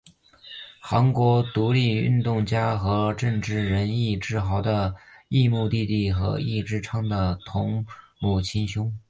韩国独立运动家和政治人尹致昊的异母弟弟及尹致昌的同母亲兄。